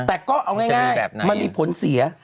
แต่ก็เอาจริงมันมีผลเสีย